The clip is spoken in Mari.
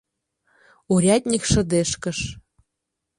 Урядник шыдешкыш.